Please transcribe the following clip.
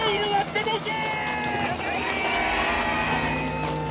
出ていけ！